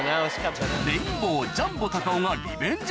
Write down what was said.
レインボー・ジャンボたかおがリベンジ